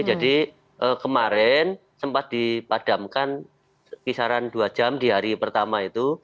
jadi kemarin sempat dipadamkan kisaran dua jam di hari pertama itu